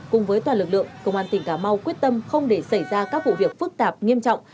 cùng với toàn lực lượng công an tỉnh cà mau quyết tâm không để xảy ra các vụ việc phức tạp nghiêm trọng